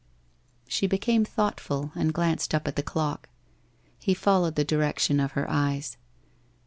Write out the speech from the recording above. She became thoughtful, and glanced up at the clock. He followed the direction of her eyes.